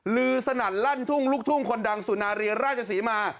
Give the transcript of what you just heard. ลือสนั่นลั่นทุ่งลูกทุ่งคนดังสุนารีราชศรีมา